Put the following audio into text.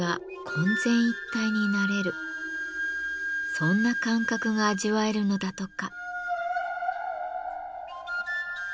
そんな感覚が味わえるのだとか。